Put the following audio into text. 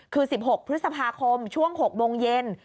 คือ๑๖พฤษภาคมช่วง๖โมงเย็น